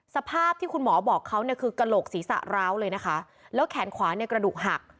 สภาพที่คุณหมอบอกเขาเนี่ยคือกระโหลกศีรษะร้าวเลยนะคะแล้วแขนขวาเนี่ยกระดูกหัก